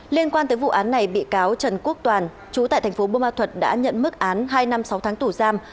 liên quan tới vụ án này bị cáo trần quốc toàn chú tại thành phố bô ma thuật đã nhận mức án hai năm sáu tháng tù giam